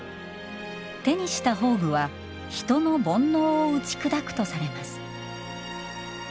手にした法具は人の煩悩を打ち砕くとされます。